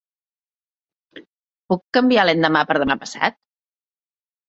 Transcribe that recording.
Puc canviar l'endemà per demà passat?